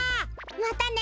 またね！